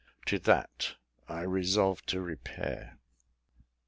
To that I resolved to repair.